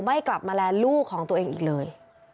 ไม่กลับมาแลนลูกของตัวเองอีกเลย